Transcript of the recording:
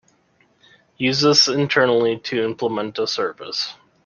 Use this internally to implement a service.